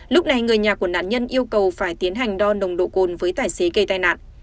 lúc này người nhà của nạn nhân yêu cầu phải tiến hành đo nồng độ cồn với tài xế gây tai nạn